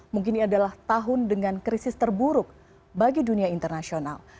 mungkin ini adalah tahun dengan krisis terburuk bagi dunia internasional